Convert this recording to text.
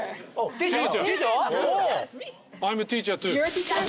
ティーチャー？